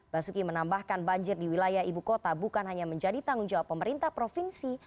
basuki menambahkan banjir di wilayah ibu kota bukan hanya menjadi tanggung jawab pemerintah provinsi